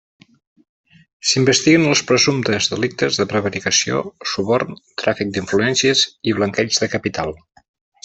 S'investiguen els presumptes delictes de prevaricació, suborn, tràfic d'influències i blanqueig de capital.